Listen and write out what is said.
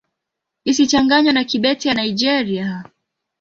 Isichanganywe na Kibete ya Nigeria.